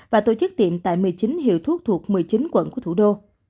và tổ chức tiệm tại một mươi chín hiệu thuốc thuộc một mươi chín quận của thủ đô